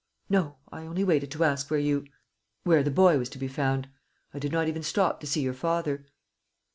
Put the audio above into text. "No; I only waited to ask where you where the boy was to be found. I did not even stop to see your father."